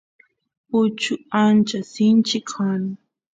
uchu ancha sinchi kan